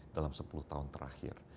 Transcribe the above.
dalam sepuluh tahun terakhir